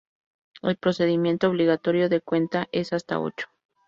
El procedimiento obligatorio de cuenta es hasta ocho.